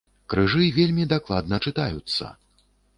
Крыжы вельмі дакладна чытаюцца!